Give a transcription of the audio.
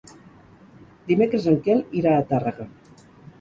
Dimecres en Quel irà a Tàrrega.